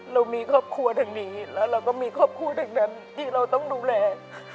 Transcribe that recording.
เรามีครอบครัวดังนี้แล้วเราก็มีครอบครัวทั้งนั้นที่เราต้องดูแล